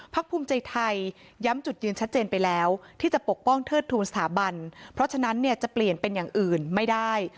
ภูมิใจไทยย้ำจุดยืนชัดเจนไปแล้วที่จะปกป้องเทิดทูลสถาบันเพราะฉะนั้นเนี่ยจะเปลี่ยนเป็นอย่างอื่นไม่ได้